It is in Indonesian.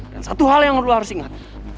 dan satu hal yang harus harus lo ingat